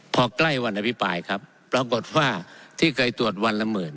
พอใกล้วันอภิปรายครับปรากฏว่าที่เคยตรวจวันละหมื่น